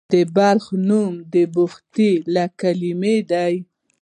د بلخ نوم د بخدي له کلمې دی